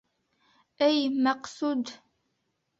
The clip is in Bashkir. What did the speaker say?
— Эй, Мәҡсүд!